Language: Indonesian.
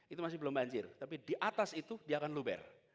itu masih belum banjir tapi di atas itu dia akan luber